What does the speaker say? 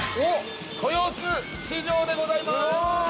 豊洲市場でございます。